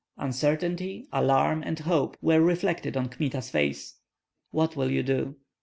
Uncertainty, alarm, and hope were reflected on Kmita's face. "What will you do?"